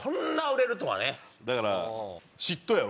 だから嫉妬やろ？